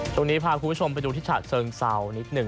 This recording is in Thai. ตรงนี้ส่งมุมมาผู้ชมไปดูที่ขาดเซิงเซา